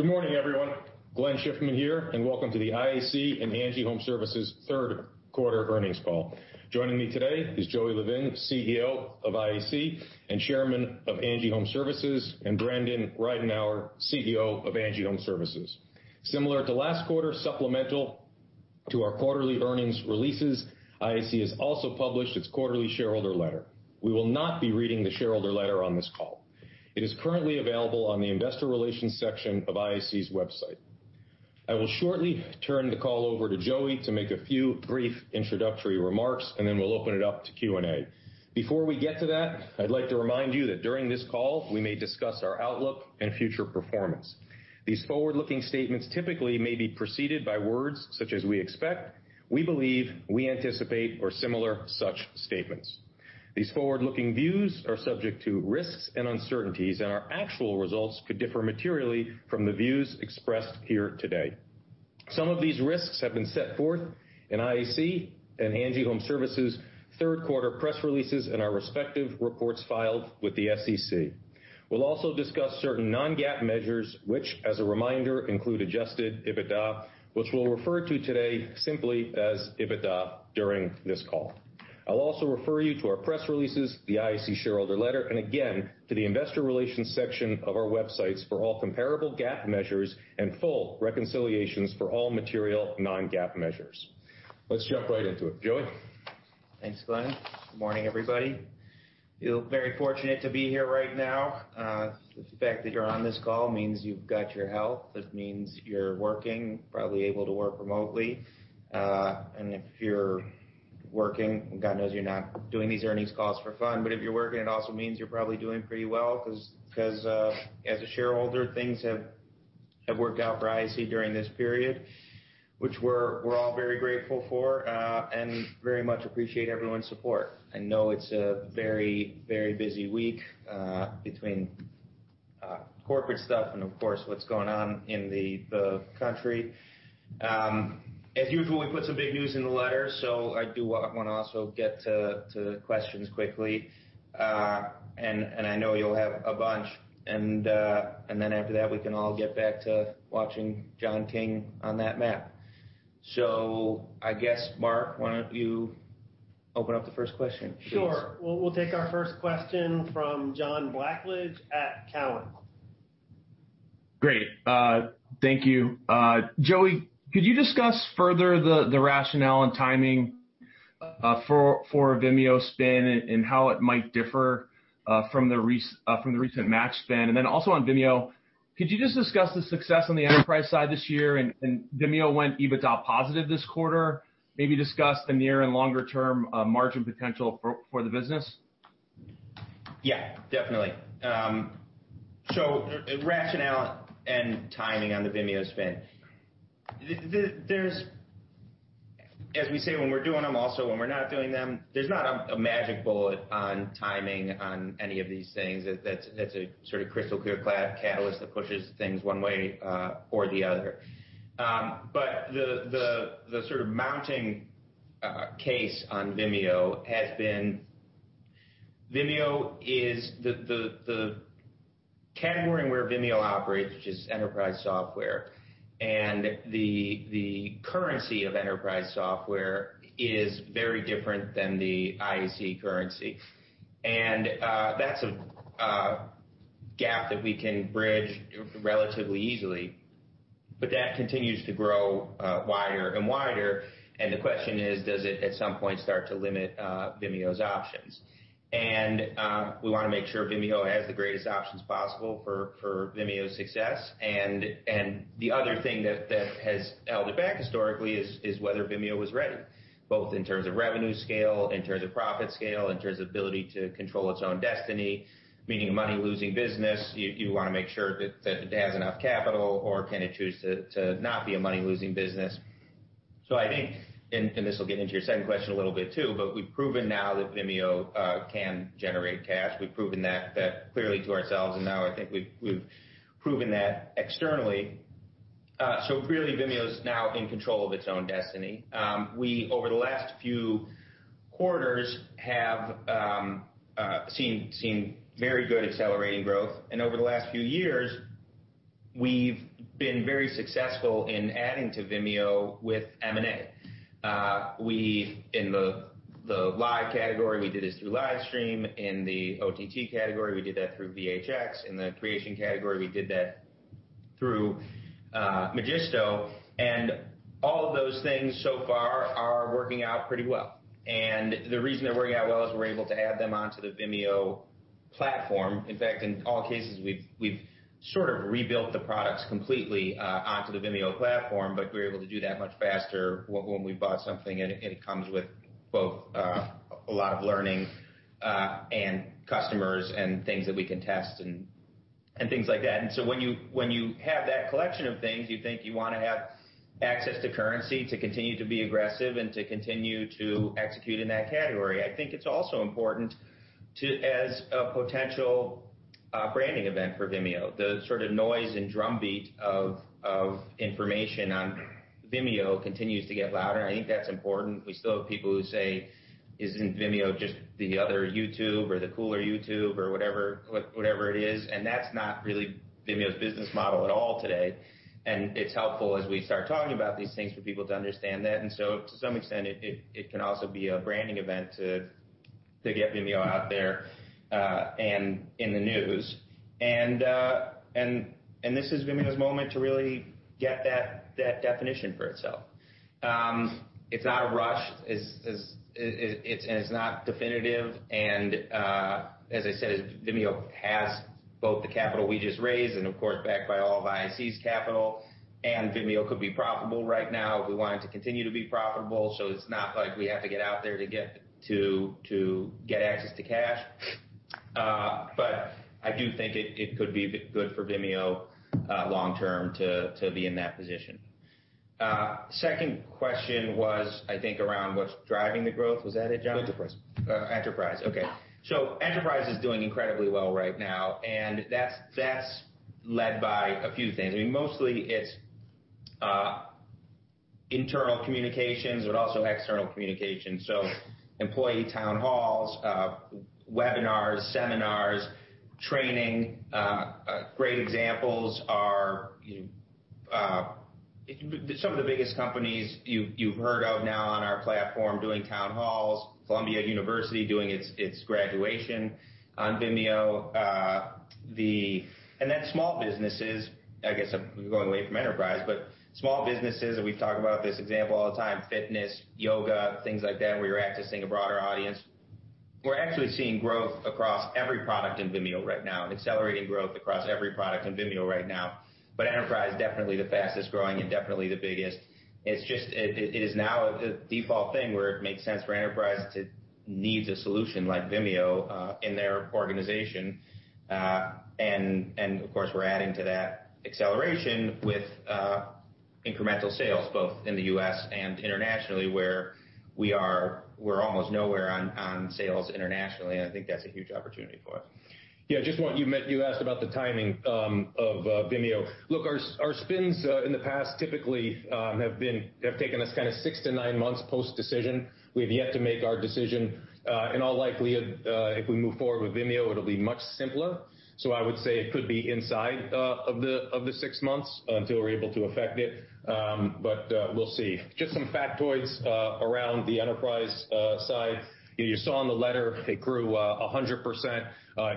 Good morning, everyone. Glenn Schiffman here. Welcome to the IAC and ANGI Homeservices third quarter earnings call. Joining me today is Joey Levin, CEO of IAC and Chairman of ANGI Homeservices, and Brandon Ridenour, CEO of ANGI Homeservices. Similar to last quarter, supplemental to our quarterly earnings releases, IAC has also published its quarterly shareholder letter. We will not be reading the shareholder letter on this call. It is currently available on the investor relations section of IAC's website. I will shortly turn the call over to Joey to make a few brief introductory remarks. Then we'll open it up to Q&A. Before we get to that, I'd like to remind you that during this call, we may discuss our outlook and future performance. These forward-looking statements typically may be preceded by words such as "we expect," "we believe," "we anticipate," or similar such statements. These forward-looking views are subject to risks and uncertainties, and our actual results could differ materially from the views expressed here today. Some of these risks have been set forth in IAC and ANGI Homeservices third quarter press releases and our respective reports filed with the SEC. We'll also discuss certain non-GAAP measures, which, as a reminder, include adjusted EBITDA, which we'll refer to today simply as EBITDA during this call. I'll also refer you to our press releases, the IAC shareholder letter, and again, to the investor relations section of our websites for all comparable GAAP measures and full reconciliations for all material non-GAAP measures. Let's jump right into it. Joey? Thanks, Glenn. Good morning, everybody. Feel very fortunate to be here right now. The fact that you're on this call means you've got your health. It means you're working, probably able to work remotely. If you're working, God knows you're not doing these earnings calls for fun, but if you're working, it also means you're probably doing pretty well because, as a shareholder, things have worked out for IAC during this period, which we're all very grateful for and very much appreciate everyone's support. I know it's a very busy week, between corporate stuff and of course, what's going on in the country. As usual, we put some big news in the letter, so I do want to also get to the questions quickly. I know you'll have a bunch. After that, we can all get back to watching John King on that map. I guess, Mark, why don't you open up the first question, please? Sure. We'll take our first question from John Blackledge at Cowen. Great. Thank you. Joey, could you discuss further the rationale and timing for Vimeo spin and how it might differ from the recent Match spin? Also on Vimeo, could you just discuss the success on the Enterprise side this year and Vimeo went EBITDA-positive this quarter? Maybe discuss the near and longerterm margin potential for the business. Yeah, definitely. So rationale and timing on the Vimeo spin. As we say, when we're doing them, also when we're not doing them, there's not a magic bullet on timing on any of these things that's a sort of crystal clear catalyst that pushes things one way, or the other. But the sort of mounting case on Vimeo has been Vimeo is the category where Vimeo operates, which is enterprise software. The currency of enterprise software is very different than the IAC currency. That's a gap that we can bridge relatively easily, but that continues to grow wider and wider. The question is, does it, at some point, start to limit Vimeo's options? We want to make sure Vimeo has the greatest options possible for Vimeo's success. The other thing that has held it back historically is whether Vimeo was ready, both in terms of revenue scale, in terms of profit scale, in terms of ability to control its own destiny. Meaning a money-losing business, you want to make sure that it has enough capital or can it choose to not be a money-losing business. I think, and this will get into your second question a little bit too, but we've proven now that Vimeo can generate cash. We've proven that clearly to ourselves, and now I think we've proven that externally. Really, Vimeo's now in control of its own destiny. We, over the last few quarters, have seen very good accelerating growth. Over the last few years, we've been very successful in adding to Vimeo with M&A. In the live category, we did it through Livestream. In the OTT category, we did that through VHX. In the creation category, we did that through Magisto. All of those things so far are working out pretty well. The reason they're working out well is we're able to add them onto the Vimeo platform. In fact, in all cases, we've sort of rebuilt the products completely onto the Vimeo platform, but we're able to do that much faster when we've bought something and it comes with both a lot of learning and customers and things that we can test and things like that. When you have that collection of things, you think you want to have access to currency to continue to be aggressive and to continue to execute in that category. I think it's also important as a potential branding event for Vimeo. The sort of noise and drumbeat of information on Vimeo continues to get louder, and I think that's important. We still have people who say, "Isn't Vimeo just the other YouTube or the cooler YouTube?" Or whatever it is, and that's not really Vimeo's business model at all today. It's helpful as we start talking about these things for people to understand that. To some extent, it can also be a branding event to get Vimeo out there and in the news. This is Vimeo's moment to really get that definition for itself. It's not a rush, and it's not definitive. As I said, Vimeo has both the capital we just raised and of course, backed by all of IAC's capital, and Vimeo could be profitable right now if we wanted to continue to be profitable. It's not like we have to get out there to get access to cash. I do think it could be good for Vimeo long term to be in that position. Second question was, I think, around what's driving the growth. Was that it, John? Enterprise. Enterprise. Okay. Enterprise is doing incredibly well right now, and that's led by a few things. Mostly it's internal communications, but also external communications. Employee town halls, webinars, seminars, training. Great examples are some of the biggest companies you've heard of now on our platform doing town halls, Columbia University doing its graduation on Vimeo. Small businesses, I guess I'm going away from Enterprise, but small businesses, and we talk about this example all the time, fitness, yoga, things like that, where you're accessing a broader audience. We're actually seeing growth across every product in Vimeo right now and accelerating growth across every product in Vimeo right now. Enterprise is definitely the fastest-growing and definitely the biggest. It is now a default thing where it makes sense for enterprise to need a solution like Vimeo in their organization. Of course, we're adding to that acceleration with incremental sales both in the U.S. and internationally, where we're almost nowhere on sales internationally. I think that's a huge opportunity for us. Yeah, you asked about the timing of Vimeo. Look, our spins in the past typically have taken us six to nine months post-decision. We have yet to make our decision. In all likelihood if we move forward with Vimeo, it'll be much simpler. I would say it could be inside of the six months until we're able to effect it, but we'll see. Just some factoids around the Enterprise side. You saw in the letter it grew 100%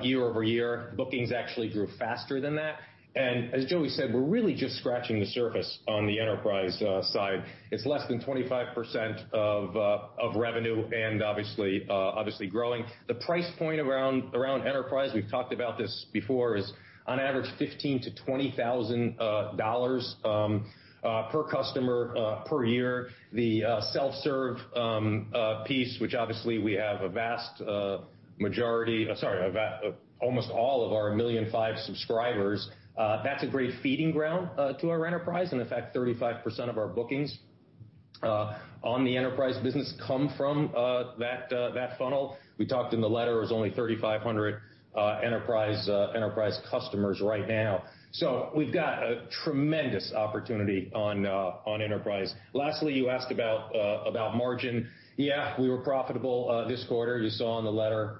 year-over-year. Bookings actually grew faster than that. As Joey said, we're really just scratching the surface on the Enterprise side. It's less than 25% of revenue and obviously growing. The price point around Enterprise, we've talked about this before, is on average $15,000-$20,000 per customer per year. The self-serve piece, which obviously we have almost all of our 1.5 million subscribers, that's a great feeding ground to our Enterprise. In fact, 35% of our bookings on the Enterprise business come from that funnel. We talked in the letter, there's only 3,500 Enterprise customers right now. We've got a tremendous opportunity on Enterprise. Lastly, you asked about margin. Yeah, we were profitable this quarter, you saw in the letter,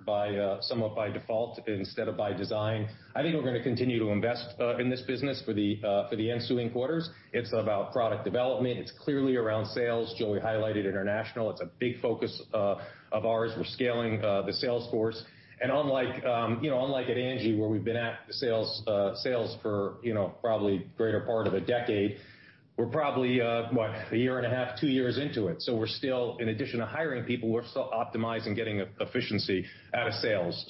somewhat by default instead of by design. I think we're going to continue to invest in this business for the ensuing quarters. It's about product development. It's clearly around sales. Joey highlighted international. It's a big focus of ours. We're scaling the sales force. Unlike at Angi, where we've been at the sales for probably the greater part of a decade, we're probably, what, a year and a half, two years into it. In addition to hiring people, we're still optimizing getting efficiency out of sales.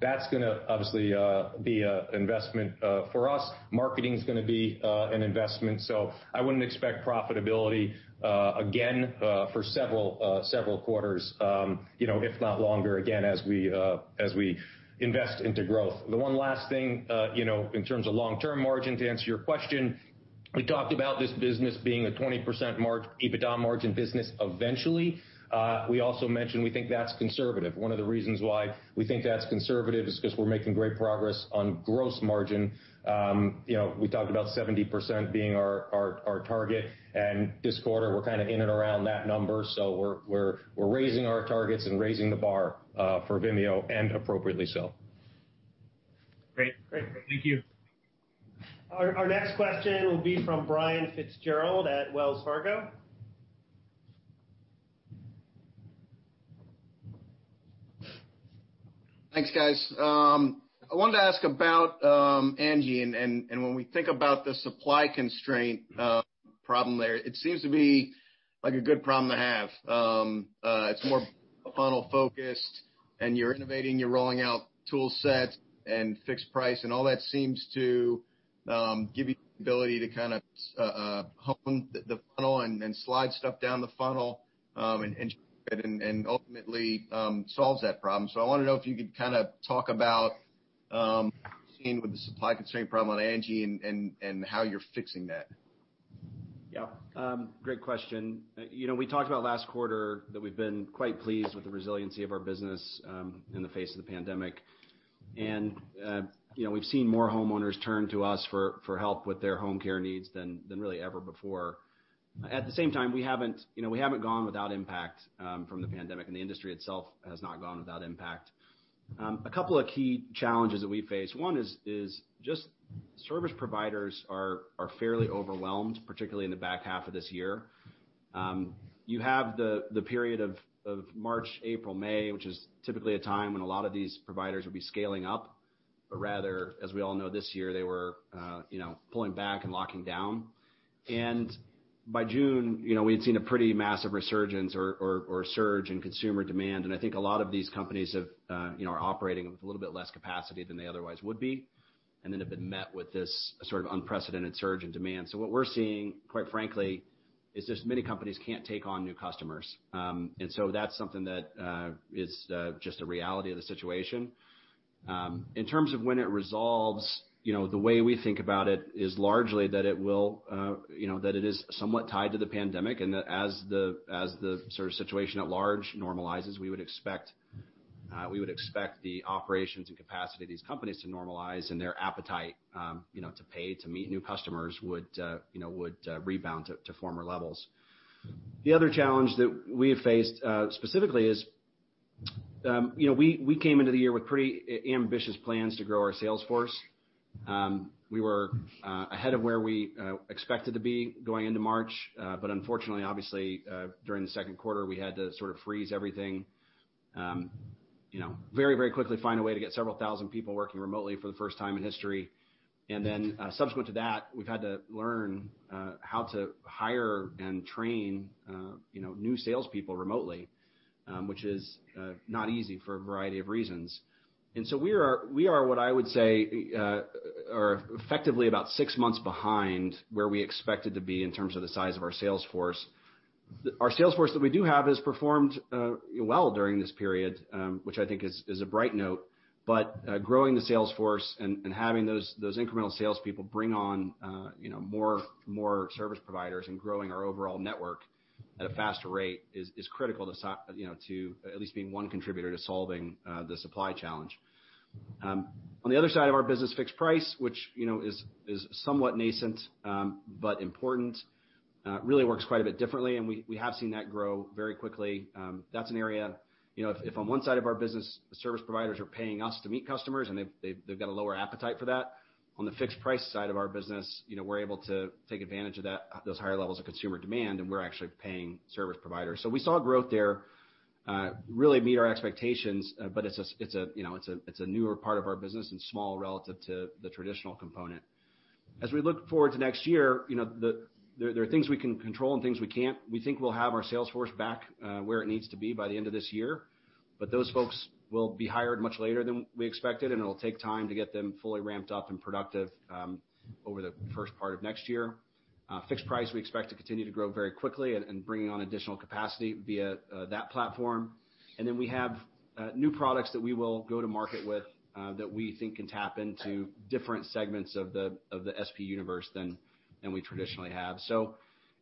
That's going to obviously be an investment for us. Marketing's going to be an investment. I wouldn't expect profitability again for several quarters if not longer again, as we invest into growth. The one last thing in terms of long-term margin, to answer your question, we talked about this business being a 20% EBITDA margin business eventually. We also mentioned we think that's conservative. One of the reasons why we think that's conservative is because we're making great progress on gross margin. We talked about 70% being our target, and this quarter we're kind of in and around that number. We're raising our targets and raising the bar for Vimeo and appropriately so. Great. Great. Thank you. Our next question will be from Brian Fitzgerald at Wells Fargo. Thanks, guys. I wanted to ask about Angi, and when we think about the supply constraint problem there, it seems to be a good problem to have. It's more funnel-focused, and you're innovating, you're rolling out tool sets and Fixed Price, and all that seems to give you the ability to hone the funnel and slide stuff down the funnel and ultimately solves that problem. I want to know if you could talk about what you're seeing with the supply constraint problem on Angi and how you're fixing that. Yeah. Great question. We talked about last quarter that we've been quite pleased with the resiliency of our business in the face of the pandemic. We've seen more homeowners turn to us for help with their home care needs than really ever before. At the same time, we haven't gone without impact from the pandemic, and the industry itself has not gone without impact. A couple of key challenges that we face. One is just service providers are fairly overwhelmed, particularly in the back half of this year. You have the period of March, April, May, which is typically a time when a lot of these providers would be scaling up. Rather, as we all know, this year, they were pulling back and locking down. By June, we had seen a pretty massive resurgence or surge in consumer demand, and I think a lot of these companies are operating with a little bit less capacity than they otherwise would be, and then have been met with this sort of unprecedented surge in demand. What we're seeing, quite frankly, is just many companies can't take on new customers. That's something that is just a reality of the situation. In terms of when it resolves, the way we think about it is largely that it is somewhat tied to the pandemic, and that as the sort of situation at large normalizes, we would expect the operations and capacity of these companies to normalize and their appetite to pay to meet new customers would rebound to former levels. The other challenge that we have faced specifically is, we came into the year with pretty ambitious plans to grow our sales force. We were ahead of where we expected to be going into March. Unfortunately, obviously, during the second quarter, we had to sort of freeze everything. Very quickly find a way to get several thousand people working remotely for the first time in history. Subsequent to that, we've had to learn how to hire and train new salespeople remotely, which is not easy for a variety of reasons. We are what I would say are effectively about six months behind where we expected to be in terms of the size of our sales force. Our sales force that we do have has performed well during this period, which I think is a bright note, but growing the sales force and having those incremental salespeople bring on more service providers and growing our overall network at a faster rate is critical to at least being one contributor to solving the supply challenge. On the other side of our business, Fixed Price, which is somewhat nascent but important really works quite a bit differently, and we have seen that grow very quickly. That's an area, if on one side of our business, service providers are paying us to meet customers, and they've got a lower appetite for that. On the Fixed Price side of our business, we're able to take advantage of those higher levels of consumer demand, and we're actually paying service providers. We saw growth there really meet our expectations, but it's a newer part of our business and small relative to the traditional component. As we look forward to next year, there are things we can control and things we can't. We think we'll have our sales force back where it needs to be by the end of this year, but those folks will be hired much later than we expected, and it'll take time to get them fully ramped up and productive over the first part of next year. Fixed Price, we expect to continue to grow very quickly and bring on additional capacity via that platform. We have new products that we will go to market with that we think can tap into different segments of the SP universe than we traditionally have.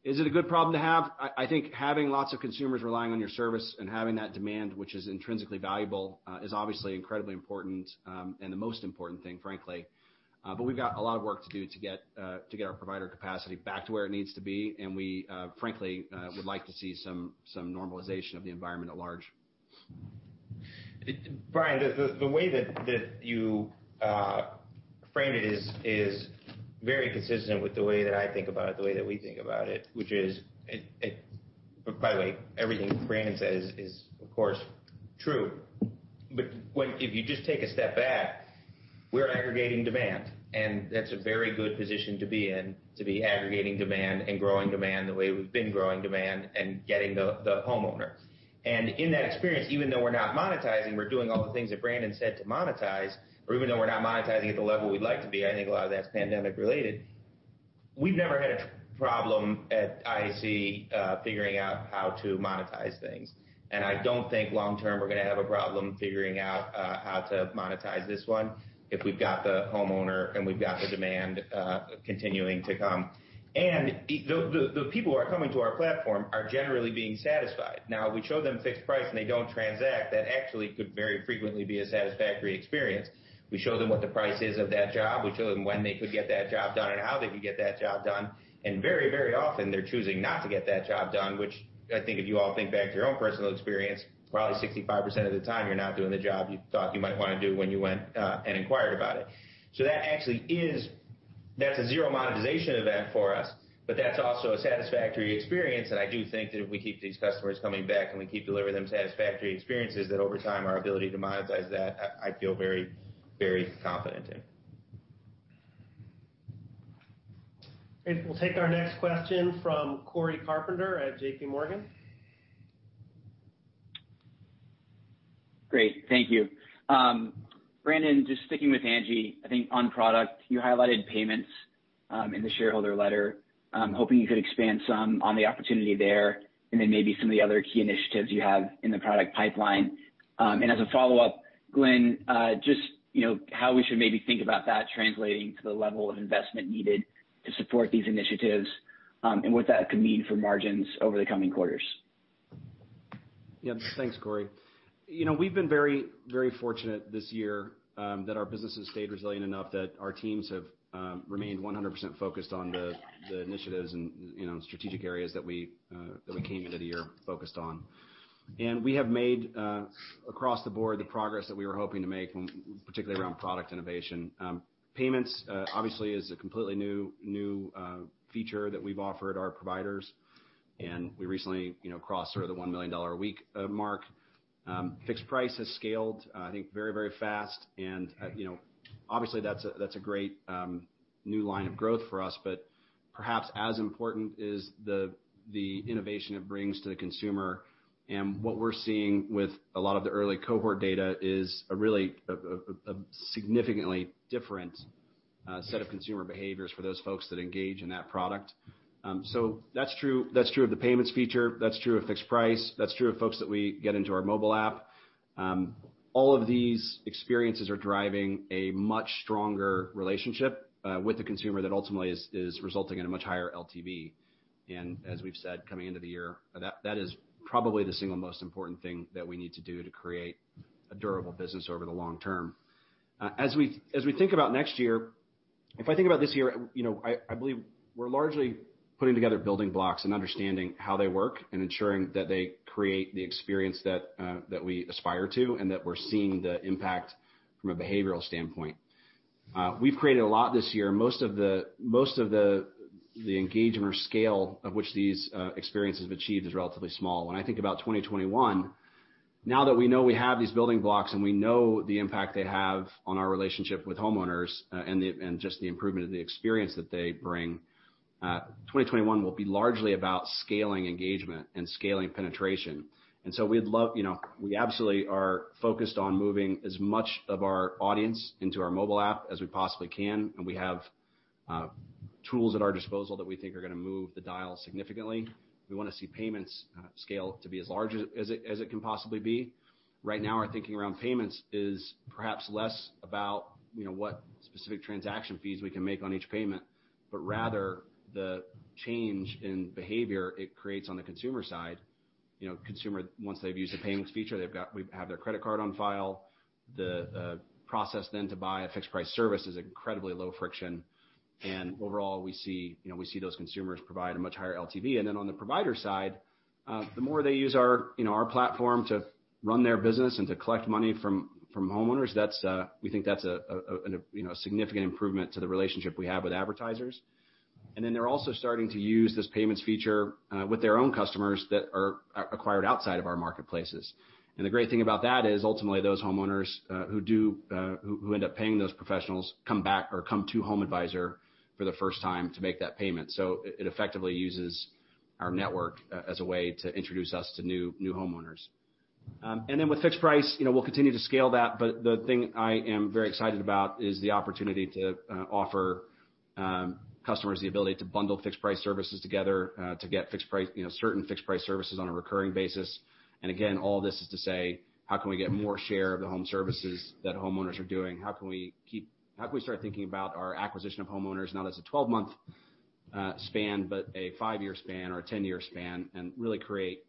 Is it a good problem to have? I think having lots of consumers relying on your service and having that demand, which is intrinsically valuable, is obviously incredibly important, and the most important thing, frankly. We've got a lot of work to do to get our provider capacity back to where it needs to be, and we frankly would like to see some normalization of the environment at large. Brian, the way that you framed it is very consistent with the way that I think about it, the way that we think about it. Everything Brandon says is, of course, true. If you just take a step back, we're aggregating demand, and that's a very good position to be in, to be aggregating demand and growing demand the way we've been growing demand and getting the homeowner. In that experience, even though we're not monetizing, we're doing all the things that Brandon said to monetize, or even though we're not monetizing at the level we'd like to be, I think a lot of that's pandemic-related. We've never had a problem at IAC figuring out how to monetize things. I don't think long term, we're going to have a problem figuring out how to monetize this one if we've got the homeowner and we've got the demand continuing to come. The people who are coming to our platform are generally being satisfied. Now, we show them Fixed Price and they don't transact, that actually could very frequently be a satisfactory experience. We show them what the price is of that job, we show them when they could get that job done and how they could get that job done, and very often they're choosing not to get that job done, which I think if you all think back to your own personal experience, probably 65% of the time, you're not doing the job you thought you might want to do when you went and inquired about it. That's a zero monetization event for us, but that's also a satisfactory experience, and I do think that if we keep these customers coming back and we keep delivering them satisfactory experiences, that over time, our ability to monetize that, I feel very confident in. Great. We'll take our next question from Cory Carpenter at JPMorgan. Great. Thank you. Brandon, just sticking with Angi, I think on product, you highlighted payments in the shareholder letter. I'm hoping you could expand some on the opportunity there and then maybe some of the other key initiatives you have in the product pipeline. As a follow-up, Glenn, just how we should maybe think about that translating to the level of investment needed to support these initiatives, and what that could mean for margins over the coming quarters. Yeah. Thanks, Cory. We've been very fortunate this year that our business has stayed resilient enough that our teams have remained 100% focused on the initiatives and strategic areas that we came into the year focused on. We have made, across the board, the progress that we were hoping to make, particularly around product innovation. Payments, obviously, is a completely new feature that we've offered our providers, and we recently crossed the $1 million a week mark. Fixed Price has scaled, I think, very, very fast, and obviously that's a great new line of growth for us, but perhaps as important is the innovation it brings to the consumer. What we're seeing with a lot of the early cohort data is a really, significantly different set of consumer behaviors for those folks that engage in that product. That's true of the payments feature, that's true of Fixed Price, that's true of folks that we get into our mobile app. All of these experiences are driving a much stronger relationship with the consumer that ultimately is resulting in a much higher LTV. As we've said coming into the year, that is probably the single most important thing that we need to do to create a durable business over the long term. As we think about next year, if I think about this year, I believe we're largely putting together building blocks and understanding how they work and ensuring that they create the experience that we aspire to, and that we're seeing the impact from a behavioral standpoint. We've created a lot this year. Most of the engagement or scale of which these experiences have achieved is relatively small. When I think about 2021, now that we know we have these building blocks and we know the impact they have on our relationship with homeowners, just the improvement of the experience that they bring, 2021 will be largely about scaling engagement and scaling penetration. We absolutely are focused on moving as much of our audience into our mobile app as we possibly can, and we have tools at our disposal that we think are going to move the dial significantly. We want to see payments scale to be as large as it can possibly be. Right now, our thinking around payments is perhaps less about what specific transaction fees we can make on each payment, but rather the change in behavior it creates on the consumer side. Consumer, once they've used the payments feature, we have their credit card on file. The process then to buy a Fixed Price service is incredibly low friction. Overall, we see those consumers provide a much higher LTV. On the provider side, the more they use our platform to run their business and to collect money from homeowners, we think that's a significant improvement to the relationship we have with advertisers. They're also starting to use this payments feature with their own customers that are acquired outside of our marketplaces. The great thing about that is ultimately those homeowners who end up paying those professionals come back or come to HomeAdvisor for the first time to make that payment. It effectively uses our network as a way to introduce us to new homeowners. With Fixed Price, we'll continue to scale that, but the thing I am very excited about is the opportunity to offer customers the ability to bundle Fixed Price services together to get certain Fixed Price services on a recurring basis. Again, all this is to say, how can we get more share of the home services that homeowners are doing? How can we start thinking about our acquisition of homeowners not as a 12-month span, but a five-year span or a 10-year span, and really create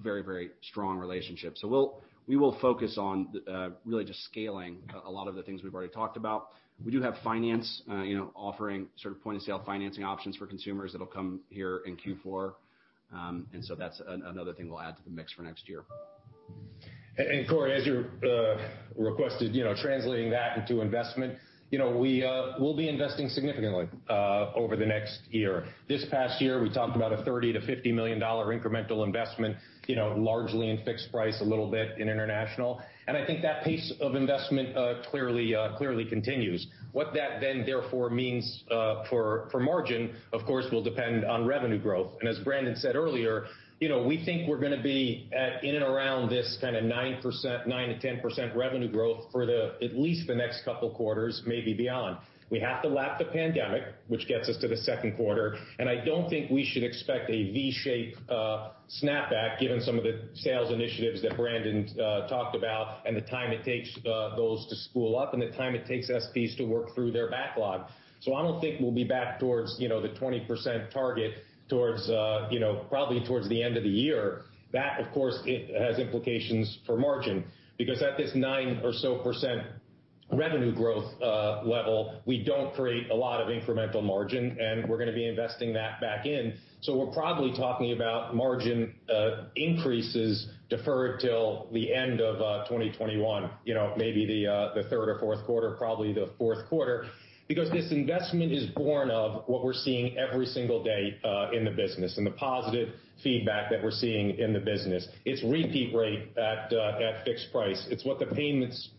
very, very strong relationships. We will focus on really just scaling a lot of the things we've already talked about. We do have finance offering point-of-sale financing options for consumers that'll come here in Q4. That's another thing we'll add to the mix for next year. Cory, as you requested, translating that into investment. We'll be investing significantly over the next year. This past year, we talked about a $30 million-$50 million incremental investment, largely in Fixed Price, a little bit in international. I think that pace of investment clearly continues. What that then therefore means for margin, of course, will depend on revenue growth. As Brandon said earlier, we think we're going to be at in and around this kind of 9%-10% revenue growth for at least the next couple of quarters, maybe beyond. We have to lap the pandemic, which gets us to the second quarter, and I don't think we should expect a V-shape snapback given some of the sales initiatives that Brandon talked about and the time it takes those to spool up, and the time it takes SPs to work through their backlog. I don't think we'll be back towards the 20% target probably towards the end of the year. That, of course, has implications for margin because at this 9% revenue growth level, we don't create a lot of incremental margin, and we're going to be investing that back in. We're probably talking about margin increases deferred till the end of 2021, maybe the third or fourth quarter, probably the fourth quarter, because this investment is born of what we're seeing every single day in the business and the positive feedback that we're seeing in the business. It's repeat rate at Fixed Price. It's what the payments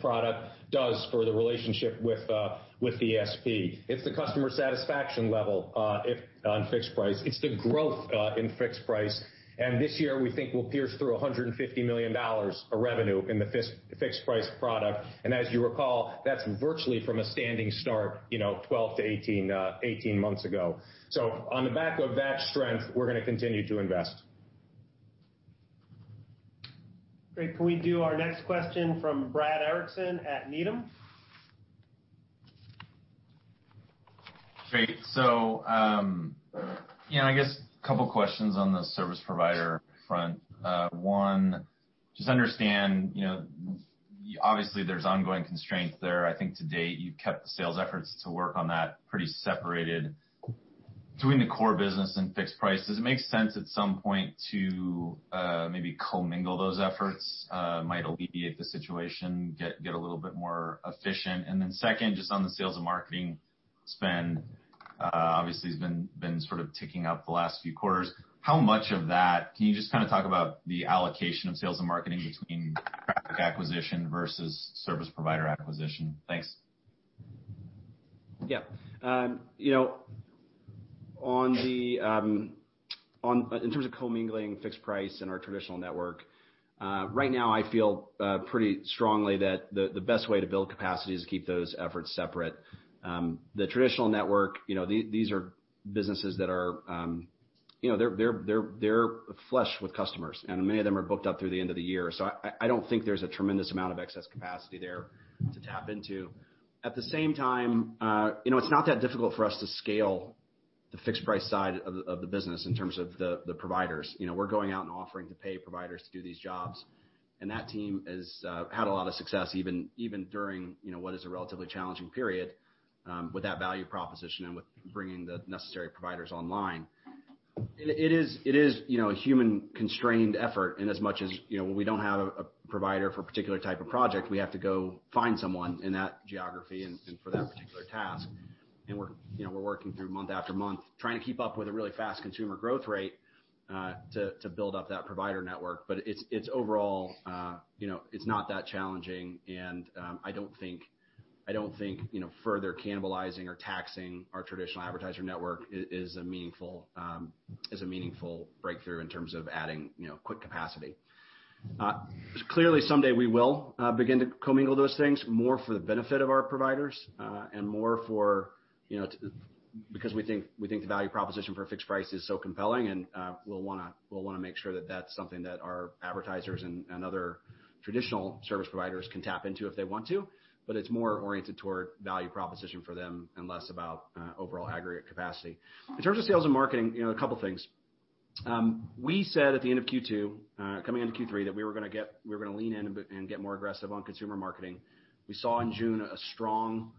product does for the relationship with the SP. It's the customer satisfaction level on Fixed Price. It's the growth in Fixed Price. This year, we think we'll pierce through $150 million of revenue in the Fixed Price product. As you recall, that's virtually from a standing start 12-18 months ago. On the back of that strength, we're going to continue to invest. Great. Can we do our next question from Brad Erickson at Needham? Great. I guess a couple questions on the service provider front. One, just understand, obviously, there's ongoing constraint there. I think to date you've kept the sales efforts to work on that pretty separated between the core business and Fixed Price. Does it make sense at some point to maybe commingle those efforts? Might alleviate the situation, get a little bit more efficient. Second, just on the sales and marketing spend, obviously it's been sort of ticking up the last few quarters. Can you just talk about the allocation of sales and marketing between traffic acquisition versus service provider acquisition? Thanks. Yeah. In terms of commingling Fixed Price and our traditional network, right now I feel pretty strongly that the best way to build capacity is to keep those efforts separate. The traditional network, these are businesses that they're flush with customers, and many of them are booked up through the end of the year. I don't think there's a tremendous amount of excess capacity there to tap into. At the same time, it's not that difficult for us to scale the Fixed Price side of the business in terms of the providers. We're going out and offering to pay providers to do these jobs, and that team has had a lot of success, even during what is a relatively challenging period, with that value proposition and with bringing the necessary providers online. It is a human-constrained effort in as much as when we don't have a provider for a particular type of project, we have to go find someone in that geography and for that particular task. We're working through month after month, trying to keep up with a really fast consumer growth rate to build up that provider network. It's overall not that challenging, and I don't think further cannibalizing or taxing our traditional advertiser network is a meaningful breakthrough in terms of adding quick capacity. Clearly, someday we will begin to commingle those things more for the benefit of our providers, and more because we think the value proposition for a Fixed Price is so compelling, and we'll want to make sure that that's something that our advertisers and other traditional service providers can tap into if they want to. It's more oriented toward value proposition for them and less about overall aggregate capacity. In terms of sales and marketing, a couple things. We said at the end of Q2, coming into Q3, that we were going to lean in and get more aggressive on consumer marketing. We saw in June a strong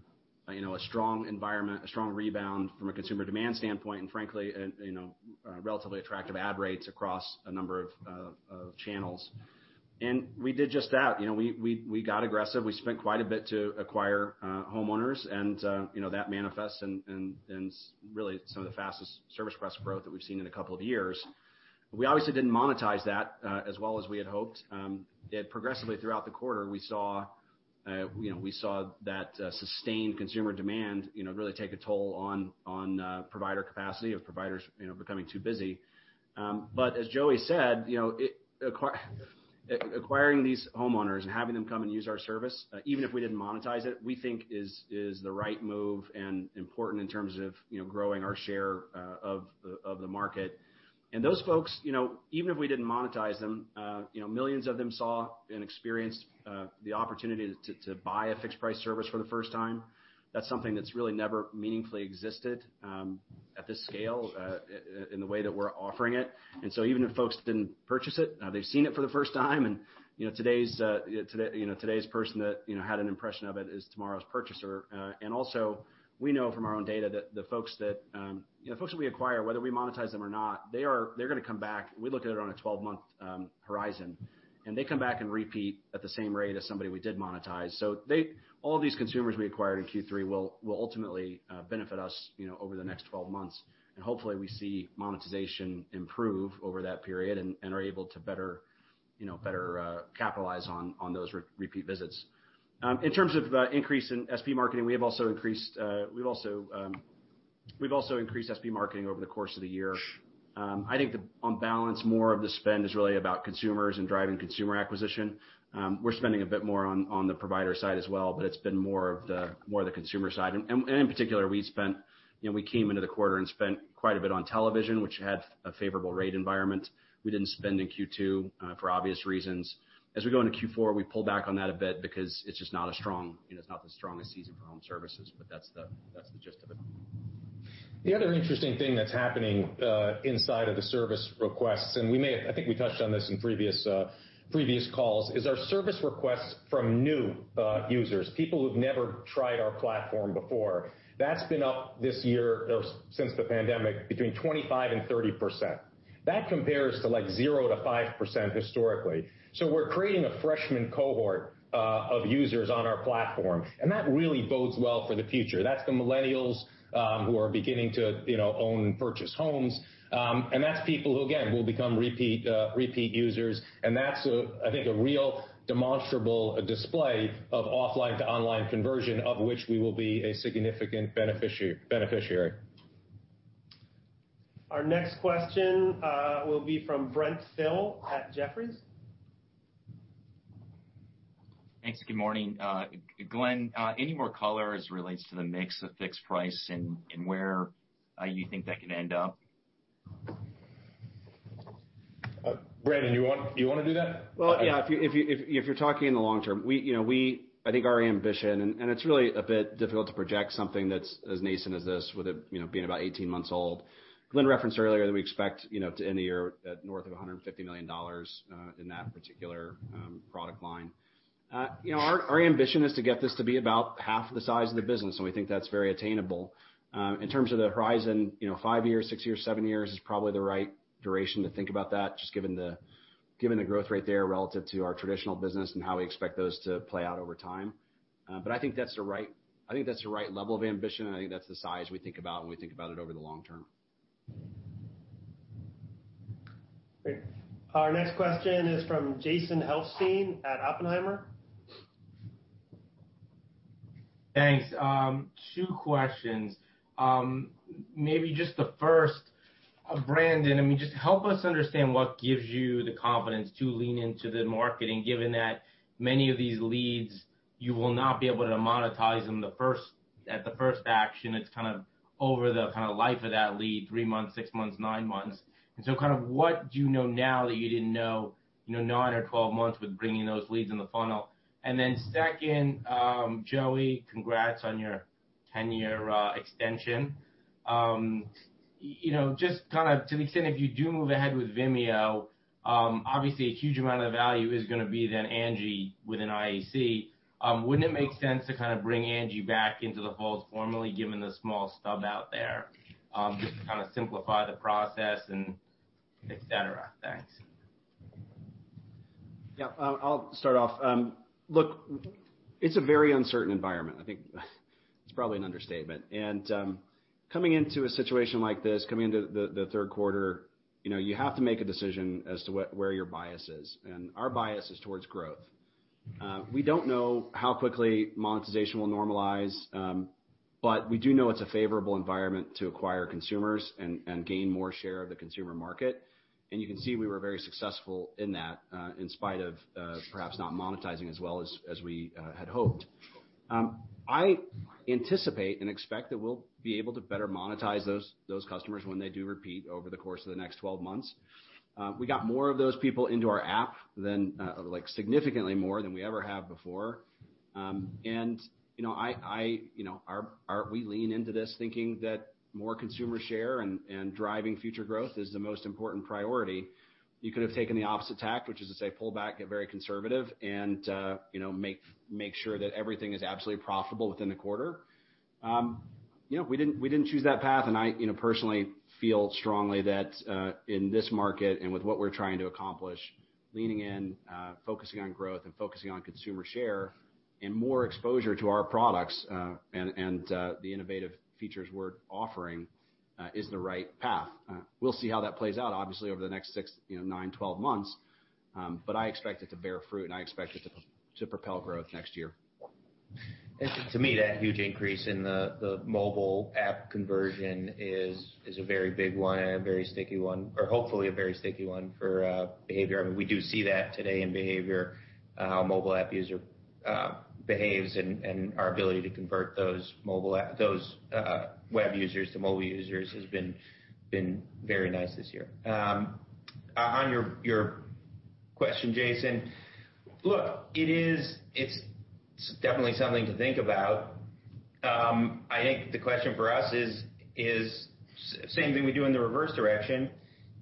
environment, a strong rebound from a consumer demand standpoint, and frankly, relatively attractive ad rates across a number of channels. We did just that. We got aggressive. We spent quite a bit to acquire homeowners, and that manifests in really some of the fastest Service Request growth that we've seen in a couple of years. We obviously didn't monetize that as well as we had hoped. Yet progressively throughout the quarter, we saw that sustained consumer demand really take a toll on provider capacity, of providers becoming too busy. As Joey said, acquiring these homeowners and having them come and use our service, even if we didn't monetize it, we think is the right move and important in terms of growing our share of the market. Those folks, even if we didn't monetize them, millions of them saw and experienced the opportunity to buy a Fixed Price service for the first time. That's something that's really never meaningfully existed at this scale in the way that we're offering it. Even if folks didn't purchase it, now they've seen it for the first time, and today's person that had an impression of it is tomorrow's purchaser. Also, we know from our own data that the folks that we acquire, whether we monetize them or not, they're going to come back. We look at it on a 12-month horizon, and they come back and repeat at the same rate as somebody we did monetize. All of these consumers we acquired in Q3 will ultimately benefit us over the next 12 months. Hopefully we see monetization improve over that period and are able to better capitalize on those repeat visits. In terms of increase in SP marketing, we have also increased SP marketing over the course of the year. I think on balance, more of the spend is really about consumers and driving consumer acquisition. We're spending a bit more on the provider side as well, but it's been more of the consumer side. In particular, we came into the quarter and spent quite a bit on television, which had a favorable rate environment. We didn't spend in Q2, for obvious reasons. As we go into Q4, we pull back on that a bit because it's just not the strongest season for home services, but that's the gist of it. The other interesting thing that's happening inside of the Service Requests, and I think we touched on this in previous calls, is our Service Requests from new users, people who've never tried our platform before. That's been up this year since the pandemic between 25% and 30%. That compares to 0%-5% historically. We're creating a freshman cohort of users on our platform, that really bodes well for the future. That's the millennials who are beginning to own and purchase homes. That's people who, again, will become repeat users. That's, I think, a real demonstrable display of offline-to-online conversion, of which we will be a significant beneficiary. Our next question will be from Brent Thill at Jefferies. Thanks. Good morning. Glenn, any more color as it relates to the mix of Fixed Price and where you think that can end up? Brandon, you want to do that? Yeah. If you're talking in the long term, I think our ambition, and it's really a bit difficult to project something that's as nascent as this with it being about 18 months old. Glenn referenced earlier that we expect to end the year at north of $150 million in that particular product line. Our ambition is to get this to be about half the size of the business, and we think that's very attainable. In terms of the horizon, five years, six years, seven years is probably the right duration to think about that, just given the growth rate there relative to our traditional business and how we expect those to play out over time. I think that's the right level of ambition, and I think that's the size we think about when we think about it over the long term. Great. Our next question is from Jason Helfstein at Oppenheimer. Thanks. Two questions. Maybe just the first, Brandon, just help us understand what gives you the confidence to lean into the marketing, given that many of these leads you will not be able to monetize them at the first action. It's over the life of that lead, three months, six months, nine months. What do you know now that you didn't know nine or 12 months with bringing those leads in the funnel? Second, Joey, congrats on your 10-year extension. Just to the extent if you do move ahead with Vimeo, obviously a huge amount of the value is going to be then Angi within IAC. Wouldn't it make sense to bring Angi back into the fold formally, given the small stub out there, just to simplify the process and et cetera? Thanks. Yeah. I'll start off. Look, it's a very uncertain environment. I think it's probably an understatement. Coming into a situation like this, coming into the third quarter, you have to make a decision as to where your bias is, and our bias is towards growth. We don't know how quickly monetization will normalize, but we do know it's a favorable environment to acquire consumers and gain more share of the consumer market. You can see we were very successful in that, in spite of perhaps not monetizing as well as we had hoped. I anticipate and expect that we'll be able to better monetize those customers when they do repeat over the course of the next 12 months. We got more of those people into our app, significantly more than we ever have before. We lean into this thinking that more consumer share and driving future growth is the most important priority. You could have taken the opposite tact, which is to say pull back, get very conservative, and make sure that everything is absolutely profitable within the quarter. We didn't choose that path, and I personally feel strongly that in this market and with what we're trying to accomplish, leaning in, focusing on growth, and focusing on consumer share, and more exposure to our products, and the innovative features we're offering is the right path. We'll see how that plays out, obviously, over the next six, nine, and 12 months. I expect it to bear fruit, and I expect it to propel growth next year. To me, that huge increase in the mobile app conversion is a very big one and a very sticky one, or hopefully a very sticky one for behavior. We do see that today in behavior, how a mobile app user behaves, and our ability to convert those web users to mobile users has been very nice this year. On your question, Jason, look, it's definitely something to think about. I think the question for us is, same thing we do in the reverse direction.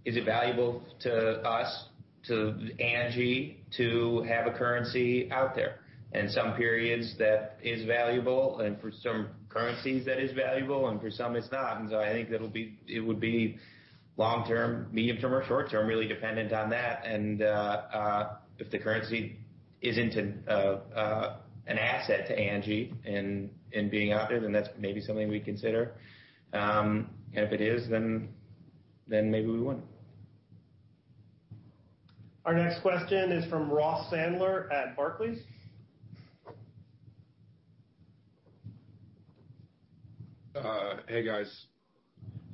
Is it valuable to us, to Angi, to have a currency out there? In some periods that is valuable, and for some currencies that is valuable and for some it's not. So I think it would be long term, medium-term, or short-term, really dependent on that. If the currency isn't an asset to Angi in being out there, then that's maybe something we'd consider. If it is, then maybe we wouldn't. Our next question is from Ross Sandler at Barclays. Hey, guys.